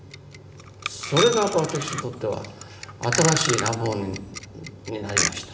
それが私にとっては新しい難問になりました。